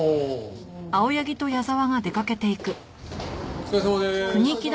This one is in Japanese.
お疲れさまです！